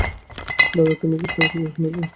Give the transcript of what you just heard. দাদা, তুমি কি কিছু শুনেছ?